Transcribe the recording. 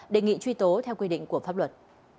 đề nghị truy tố theo quy định của pháp luật